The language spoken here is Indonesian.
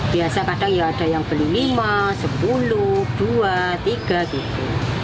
biasa kadang ya ada yang beli lima sepuluh dua tiga gitu